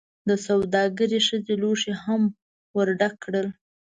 دسوداګرې ښځې لوښي هم ورډک کړل.